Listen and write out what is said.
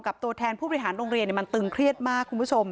ตัวแทนผู้บริหารโรงเรียนมันตึงเครียดมากคุณผู้ชม